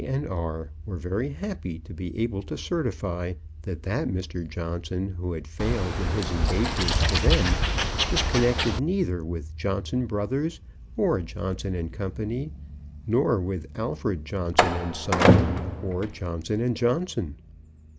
and R. were very happy to be able to certify that that Mr. Johnson who had failed in his engagements to them was connected neither with Johnson Brothers, or Johnson and Co.; nor with Alfred Johnson and Son, or Johnson and Johnson.